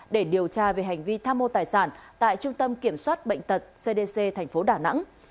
để điều tra về hành vi tham mô tài sản tại trung tâm kiểm soát bệnh tật cdc thành phố đà nẵng